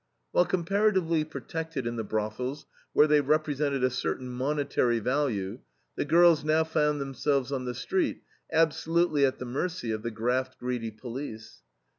While comparatively protected in the brothels, where they represented a certain monetary value, the girls now found themselves on the street, absolutely at the mercy of the graft greedy police.